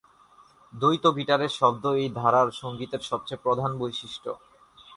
দ্বৈত গিটারের শব্দ এই ধারার সঙ্গীতের সবচেয়ে প্রধান বৈশিষ্ট্য।